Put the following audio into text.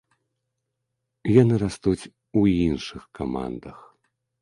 Яны растуць у іншых камандах.